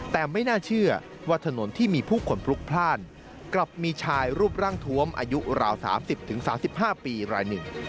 แต่ไม่น่าเชื่อว่าถนนที่มีผู้คนพลุกพลาดกลับมีชายรูปร่างทวมอายุราว๓๐๓๕ปีรายหนึ่ง